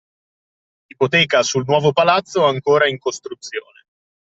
Ipoteca sul nuovo palazzo ancora in costruzione…